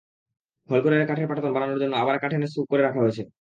হলঘরের কাঠের পাটাতন বানানোর জন্য আবার কাঠ এনে স্তূপ করে রাখা হয়েছে।